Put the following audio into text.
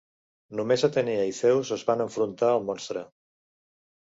Només Atena i Zeus es van enfrontar al monstre.